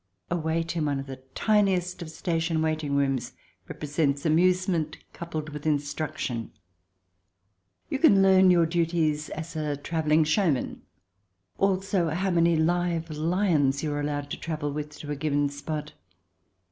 A wait in one of the tiniest of station waiting rooms represents amusement, coupled with instruction. You can learn your duties as a travelling showman, also how many live lions you are allowed to travel with to a given spot.